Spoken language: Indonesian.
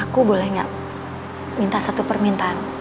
aku boleh nggak minta satu permintaan